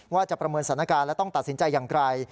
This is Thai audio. ว่าจะประเมินสถานการณ์และต้องตัดสินใจอย่างไร